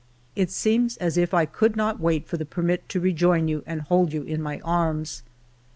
It seems as if I could not wait for the permit to rejoin you and hold you in my arms.